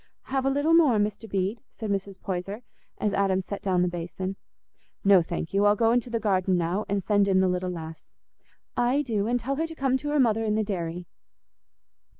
"Have a little more, Mr. Bede?" said Mrs. Poyser, as Adam set down the basin. "No, thank you; I'll go into the garden now, and send in the little lass." "Aye, do; and tell her to come to her mother in the dairy."